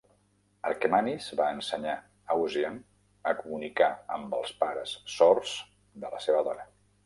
Akermanis va ensenyar Ausian a comunicar amb els pares sords de la seva dona.